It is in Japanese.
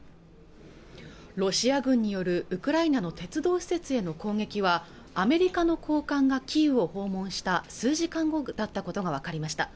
ロシア軍によるウクライナの鉄道施設への攻撃はアメリカの高官が企業を訪問した数時間後だったことが分かりました